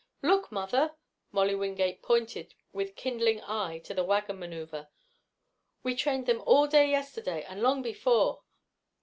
"Look, mother!" Molly Wingate pointed with kindling eye to the wagon maneuver. "We trained them all day yesterday, and long before.